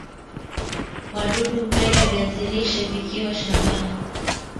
wadudu hupenda viazi lishe vikiwa shamban